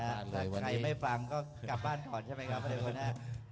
กลับบ้านก่อนใช่ไหมครับพระเด็กคุณแห้ง